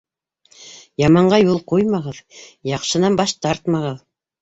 Яманға юл ҡуймағыҙ, яҡшынан баш тартмағыҙ